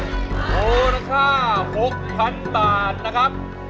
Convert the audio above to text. รับแล้วค่ะหกพันบาทค่ะ